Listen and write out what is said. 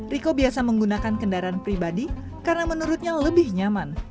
riko biasa menggunakan kendaraan pribadi karena menurutnya lebih nyaman